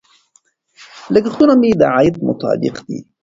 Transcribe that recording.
لګښتونه مې د عاید مطابق دي.